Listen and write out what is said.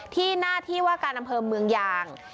ที่หน้าที่ว่าการอำเภอเมืองยาง